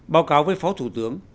báo cáo với phó thủ tướng